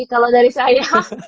kalau dari saya